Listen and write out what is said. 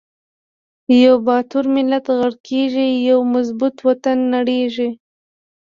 یو باتور ملت غر قیږی، یو مضبوط وطن نړیږی